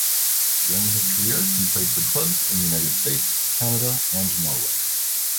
During his career, he played for clubs in the United States, Canada, and Norway.